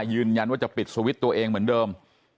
ยืนยันว่าจะปิดสวิตช์ตัวเองเหมือนเดิม